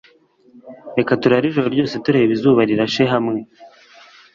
Reka turare ijoro ryose turebe izuba rirashe hamwe